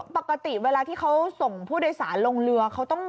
ปกติเวลาที่เขาส่งผู้โดยสารลงเรือเขาต้อง